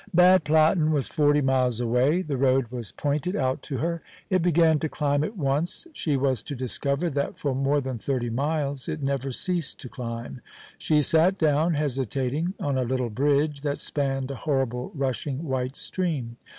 Bad Platten was forty miles away. The road was pointed out to her. It began to climb at once. She was to discover that for more than thirty miles it never ceased to climb. She sat down, hesitating, on a little bridge that spanned a horrible rushing white stream.